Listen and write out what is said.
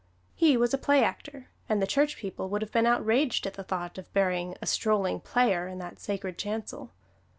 He was a play actor, and the church people would have been outraged at the thought of burying a "strolling player" in that sacred chancel.